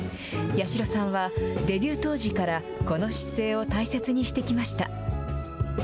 八代さんは、デビュー当時からこの姿勢を大切にしてきました。